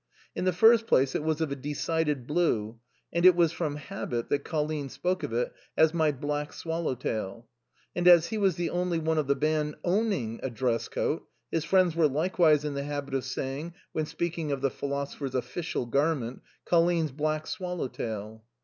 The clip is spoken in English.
In the first place, it was of a decided blue, and it was from habit that Colline spoke of it as " my black swallow tail." And as he was the only one of the band owning a dress coat, his friends were likewise in the habit of saying, when speak ing of the philosophers official garment, " Colline's black swallow tail."